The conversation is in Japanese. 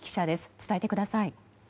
伝えてください。